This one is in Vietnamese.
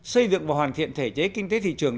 xây dựng và hoàn thiện thể chế kinh tế thị trường